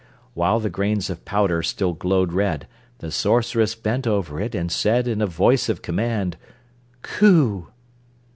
While the grains of powder still glowed red the Sorceress bent over it and said in a voice of command: "Coo!"